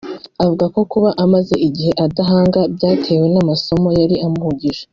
avuga ko kuba amaze igihe adahanga byatewe n’amasomo yari amuhugije